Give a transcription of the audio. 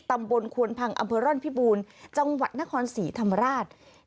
ตำบลควนพังอำเภอร่อนพิบูรณ์จังหวัดนครศรีธรรมราช